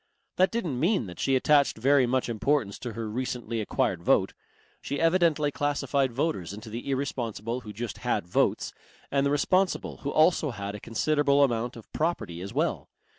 That didn't mean that she attached very much importance to her recently acquired vote. She evidently classified voters into the irresponsible who just had votes and the responsible who also had a considerable amount of property as well.